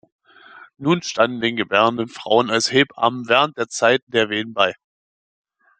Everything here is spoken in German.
Nun standen den Gebärenden Frauen als Hebammen während der Zeit der Wehen bei.